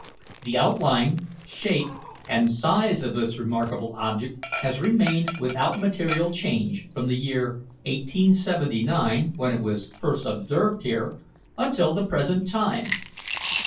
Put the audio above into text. The outline, shape, and size of this remarkable object has remained without material change from the year 1879, when it was first observed here, until the present time.